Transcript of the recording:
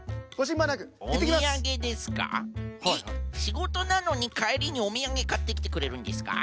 しごとなのにかえりにおみやげかってきてくれるんですか？